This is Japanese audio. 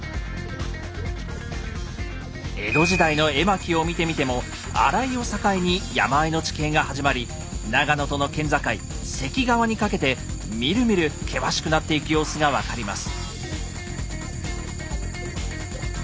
江戸時代の絵巻を見てみても荒井を境に山あいの地形が始まり長野との県境関川にかけてみるみる険しくなっていく様子が分かります。